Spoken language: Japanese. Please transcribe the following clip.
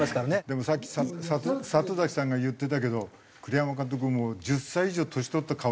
でもさっき里崎さんが言ってたけど栗山監督もう１０歳以上年取った顔に。